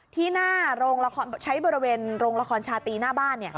ที่หน้าโรงละครใช้บริเวณโรงละครชาติหน้าบ้าน